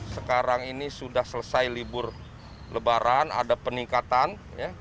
sekarang ini sudah selesai libur lebaran ada peningkatan